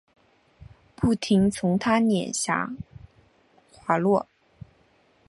不停从她脸颊滑落